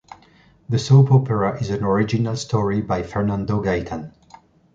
The soap opera is an original story by Fernando Gaitan.